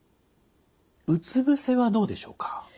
うつ伏せはどうでしょうか？